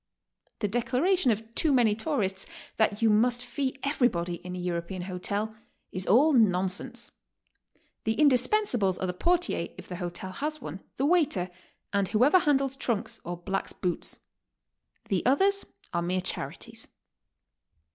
The declaration of too many tourists that you must fee everybody in a European hotel, is all nonsense. The indis pensables are the portier, if the hotel has one, the waiter, and whoever handles trunks or blacks boots. The others are mere charities.